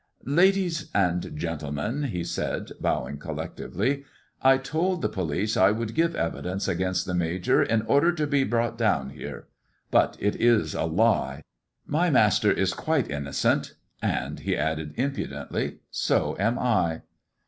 " Ladies and gentlemen," he said, bowing collectirelj, " I told the police I would give evideDce against the Major in order to be brought down here. But it is a lie. My master is quite innocent, and," he added impudently, "so am I."